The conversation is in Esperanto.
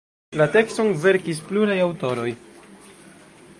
La tekston verkis pluraj aŭtoroj.